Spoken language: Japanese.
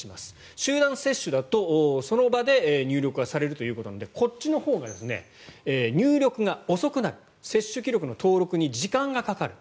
集団接種だと、その場で入力されるということなのでこっちのほうが入力が遅くなる接種記録の登録に時間がかかる。